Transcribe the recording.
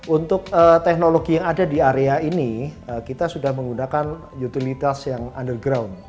untuk teknologi yang ada di area ini kita sudah menggunakan utilitas yang underground